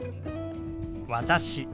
「私」。